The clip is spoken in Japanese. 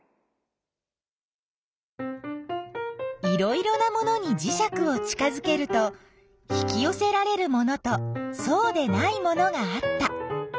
いろいろなものにじしゃくを近づけると引きよせられるものとそうでないものがあった。